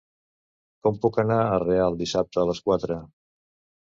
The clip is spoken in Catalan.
Com puc anar a Real dissabte a les quatre?